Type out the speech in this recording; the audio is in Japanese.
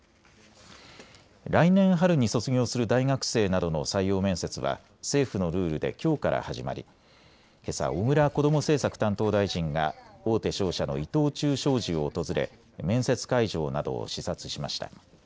来年春に卒業する大学生などの採用面接は政府のルールできょうから始まりけさ、小倉こども政策担当大臣が大手商社の伊藤忠商事を訪れ面接会場などを視察しました。